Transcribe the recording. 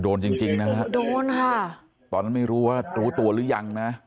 โดนจริงจริงนะฮะโดนค่ะตอนนั้นไม่รู้ว่ารู้ตัวหรือยังนะ